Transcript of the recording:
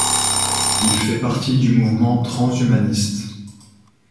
Il fait partie du mouvement transhumaniste.